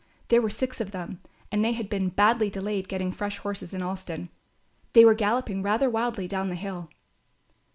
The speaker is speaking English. There were six of them and they had been badly delayed getting fresh horses in Alston. They were galloping rather wildly down the hill.